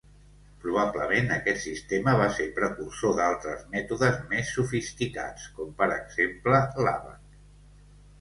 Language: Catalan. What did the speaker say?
Probablement aquest sistema va ser precursor d'altres mètodes més sofisticats, com per exemple l'àbac.